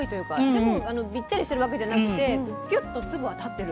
でもびっちゃりしてるわけじゃなくてこうキュッと粒が立ってる。